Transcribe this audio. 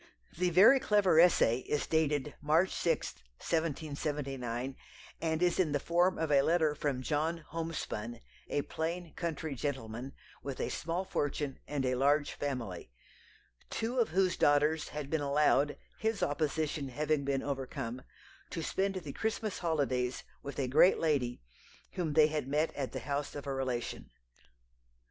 The "very clever essay" is dated March 6, 1779, and is in the form of a letter from John Homespun, a "plain country gentleman, with a small fortune and a large family," two of whose daughters had been allowed his opposition having been overcome to spend the Christmas holidays with a "great lady" whom they had met at the house of a relation.